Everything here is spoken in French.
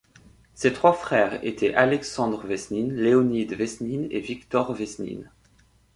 Ces trois frères étaient Alexandre Vesnine, Léonid Vesnine et Viktor Vesnine.